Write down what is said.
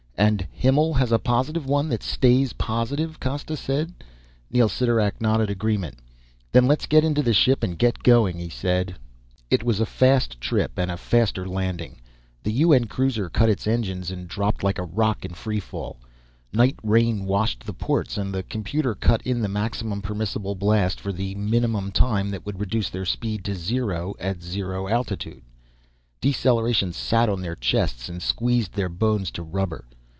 "And Himmel has a positive one that stays positive," Costa said. Neel Sidorak nodded agreement. "Then let's get into the ship and get going," he said. It was a fast trip and a faster landing. The UN cruiser cut its engines and dropped like a rock in free fall. Night rain washed the ports and the computer cut in the maximum permissible blast for the minimum time that would reduce their speed to zero at zero altitude. Deceleration sat on their chests and squeezed their bones to rubber.